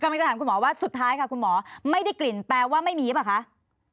กำลังจะถามคุณหมอว่าสุดท้ายค่ะคุณหมอไม่ได้กลิ่นแปลว่าไม่มีหรือเปล่าคะ